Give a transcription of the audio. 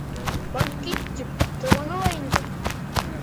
Бар кит, тип ҡыуманы ла инде.